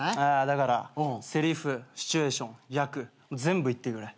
だからせりふシチュエーション役全部言ってくれ。